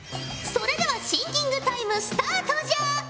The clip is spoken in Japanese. それではシンキングタイムスタートじゃ。